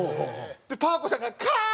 でパー子さんがキャー！